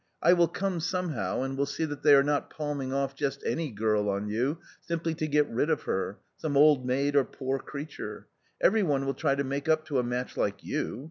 I will come somehow and will see that they are not palming off just any girl on you, simply to get rid of her, some old maid or poor creature. Every one will try to make up to a match like you.